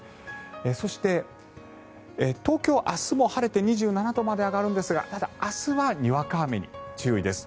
そして、東京は明日も晴れて２７度まで上がるんですがただ、明日はにわか雨に注意です。